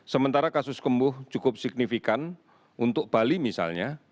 sementara kasus sembuh cukup signifikan untuk bali misalnya